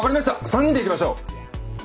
３人で行きましょう。